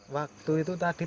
waktu itu tadi terduga